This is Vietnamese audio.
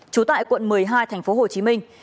trú tại quận một mươi hai thành phố hồ chí minh